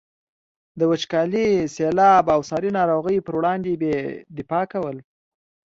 د وچکالي، سیلاب او ساري ناروغیو پر وړاندې بې دفاع ول.